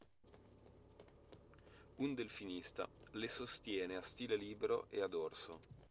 Un delfinista le sostiene a stile libero e a dorso.